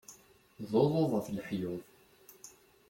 D uḍuḍ af leḥyuḍ.